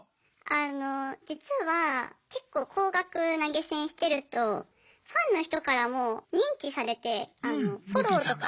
あの実は結構高額投げ銭してるとファンの人からも認知されてフォローとか。